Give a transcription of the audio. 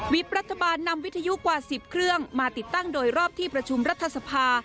รัฐบาลนำวิทยุกว่า๑๐เครื่องมาติดตั้งโดยรอบที่ประชุมรัฐสภา